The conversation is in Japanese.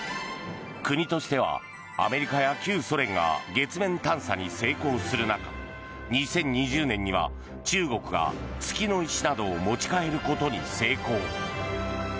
国としては、アメリカや旧ソ連が月面探査に成功する中２０２０年には中国が月の石などを持ち帰ることに成功。